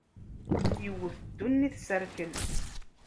Iwwet ddunit, s rrkel.